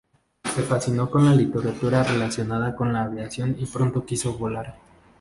Se fascinó con la literatura relacionada con la aviación y pronto quiso volar.